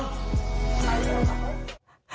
อ้าว